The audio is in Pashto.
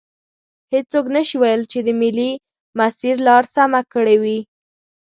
هیڅوک نشي ویلی چې د ملي مسیر لار سمه کړي وي.